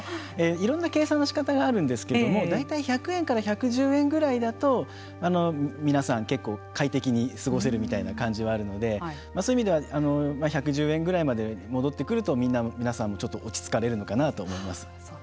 いろんな計算の仕方があるんですけれども大体１００円から１１０円くらいだと皆さん、結構快適に過ごせるみたいな感じがあるのでそういう意味では１１０円ぐらいまで戻ってくると皆さんもちょっと落ち着かれるのかなと思います。